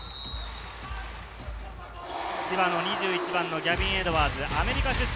千葉の２１番のギャビン・エドワーズ、アメリカ出身。